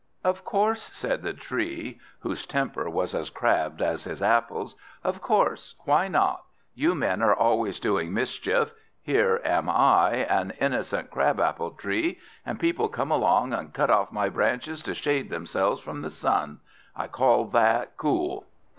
"Of course!" said the Tree whose temper was as crabbed as his apples "of course! Why not? You men are always doing mischief. Here am I, an innocent Crab apple Tree, and people come along and cut off my branches to shade themselves from the sun. I call that cool!"